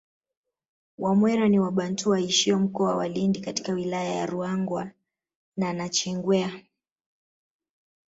Wamwera ni wabantu waishio mkoa wa Lindi katika wilaya ya Ruangwa na nachingwea